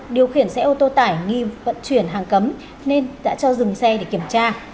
điều khiển xe ô tô tải nghi vận chuyển hàng cấm nên đã cho dừng xe để kiểm tra